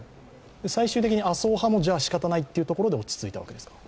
最終的に麻生派もしかたないというところで落ち着いたということですか？